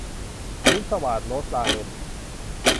สิ้นสวาท - โรสลาเรน